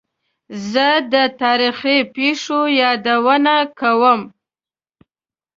زه د تاریخي پېښو یادونه کوم.